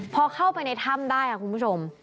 พอเข้าไปในถ้ำได้ค่ะคุณผู้ชม